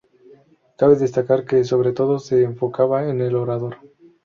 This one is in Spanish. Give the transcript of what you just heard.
Cabe destacar que, sobre todo, se enfocaba en el orador.